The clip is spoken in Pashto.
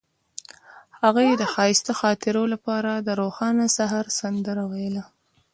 هغې د ښایسته خاطرو لپاره د روښانه سهار سندره ویله.